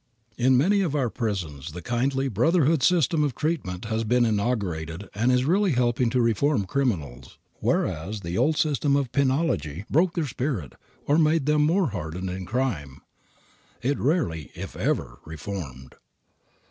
In many of our prisons, the kindly, brotherhood system of treatment that has been inaugurated is really helping to reform criminals, whereas the old system of penology killed men, broke their spirit, or made them more hardened in crime. It rarely, if ever, reformed.